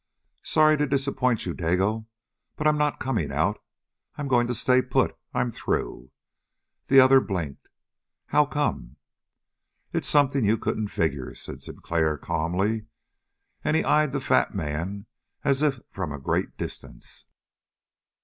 "Sorry to disappoint you, Dago. But I'm not coming out. I'm going to stay put. I'm through." The other blinked. "How come?" "It's something you couldn't figure," said Sinclair calmly, and he eyed the fat man as if from a great distance.